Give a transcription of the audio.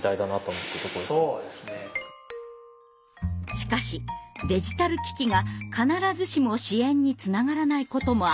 しかしデジタル機器が必ずしも支援につながらないこともあるそうです。